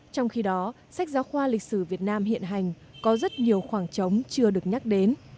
trong khi đó sách giáo khoa lịch sử việt nam hiện hành có rất nhiều khoảng trống chưa được nhắc đến